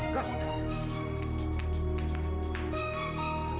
kamu siapa sih